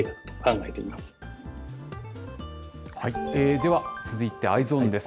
では、続いてＥｙｅｓｏｎです。